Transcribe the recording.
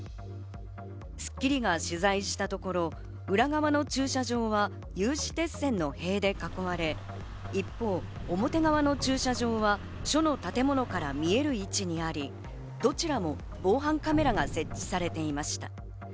『スッキリ』が取材したところ、裏側の駐車場が有刺鉄線の塀で囲まれ、一方、表側の駐車場は建物から見える位置にあり、どちらも防犯カメラが設置されていました。